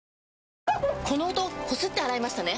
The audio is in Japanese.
この音こすって洗いましたね？